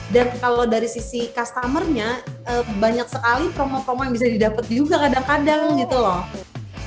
dan kalau dari sisi customer nya banyak sekali promo promo yang bisa didapet juga kadang kadang gitu loh